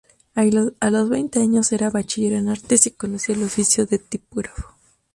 A los veinte años era Bachiller en Artes y conocía el oficio de tipógrafo.